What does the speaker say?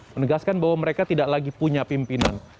menegaskan bahwa mereka tidak lagi punya pimpinan